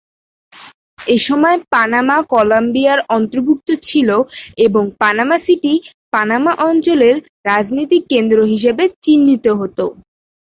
এসময় পানামা কলম্বিয়ার অন্তর্ভুক্ত ছিল এবং পানামা সিটি পানামা অঞ্চলের রাজনৈতিক কেন্দ্র হিসেবে চিহ্নিত হতো।